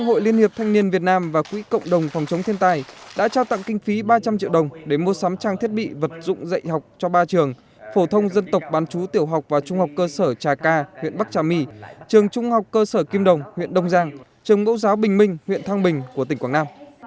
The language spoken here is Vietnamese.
hội liên hiệp thanh niên việt nam tỉnh quảng nam đã tổ chức chương trình cho học bổng vì tương lai xanh cho thanh thiếu nhi có hoàn cảnh ảnh hưởng bởi lũ lụt trong thời gian vừa qua